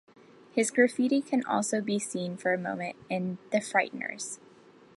His graffiti can also be seen for a moment in "The Frighteners".